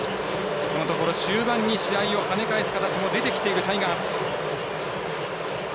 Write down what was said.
このところ終盤に試合を跳ね返す形が出てきている、タイガース。